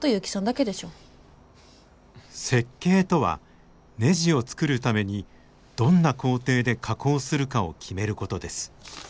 設計とはねじを作るためにどんな工程で加工するかを決めることです。